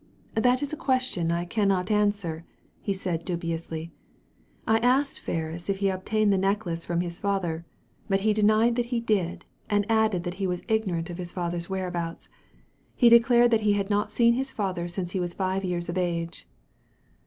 "That is a question I cannot answer," he said dubiously. "I asked Ferris if he obtained the necklace from his father, but he denied that he did, and added that he was ignorant of his father's whereabouts. He declared that he had not seen his father since he was five years of age."